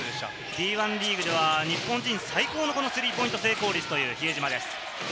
Ｔ１リーグでは日本人最高のスリーポイント成功率という比江島です。